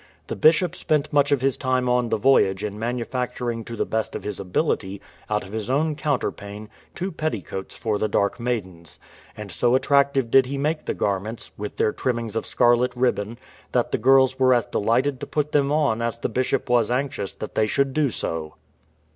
The Bishop spent much of his time on the voyage in manufacturing to the best of his ability out of his own counterpane two petticoats for the dark maidens. And so attractive did he make the garments, with their trimmings of scarlet ribbon, that the girls were as de lighted to put them on as the Bishop was anxious that they should do so.